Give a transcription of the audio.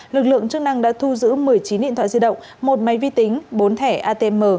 lực lượng chức năng đã thu giữ một mươi chín điện thoại di động một máy vi tính bốn thẻ atm